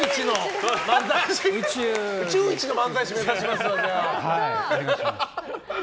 宇宙一の漫才師目指します、じゃあ。